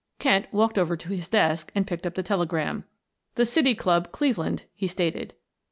Kent walked over to his desk and picked up the telegram. "The City Club, Cleveland," he stated.